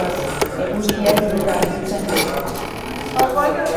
eguzkiak lurra argitzen du